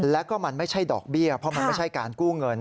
แล้วก็มันไม่ใช่ดอกเบี้ยเพราะมันไม่ใช่การกู้เงิน